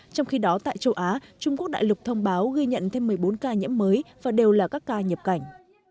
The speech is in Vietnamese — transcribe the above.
trong khi đó tại châu á trung quốc đại lục thông báo ghi nhận thêm một mươi bốn ca nhiễm mới và đều là các ca nhập cảnh